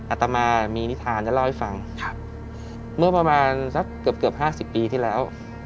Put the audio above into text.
อาตมามีนิทานจะเล่าให้ฟังเมื่อประมาณสักเกือบเกือบ๕๐ปีที่แล้ว